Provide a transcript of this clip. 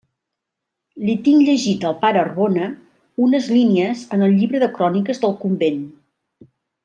Li tinc llegit al pare Arbona unes línies en el llibre de cròniques del convent.